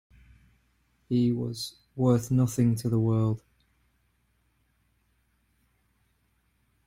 He was worth nothing to the world.